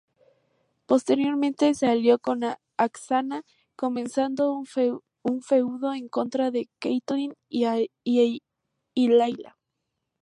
Posteriormente, se alió con Aksana comenzando un feudo en contra de Kaitlyn y Layla.